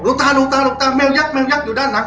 ลูกตาลูกตาลูกตาแมวยักษ์แมวยักษ์อยู่ด้านหลัง